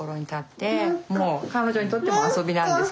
もう彼女にとっても遊びなんですけど。